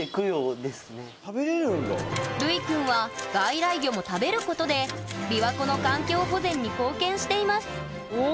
るいくんは外来魚も食べることでびわ湖の環境保全に貢献していますおお！